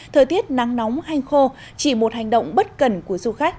thời tiết nắng nóng hanh khô chỉ một hành động bất cần của du khách